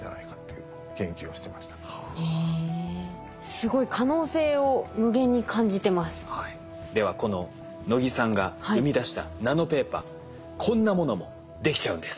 すごいではこの能木さんが生み出したナノペーパーこんなものもできちゃうんです。